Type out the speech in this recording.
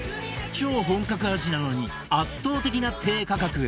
超本格味なのに圧倒的な低価格